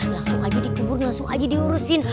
langsung aja dikubur langsung aja diurusin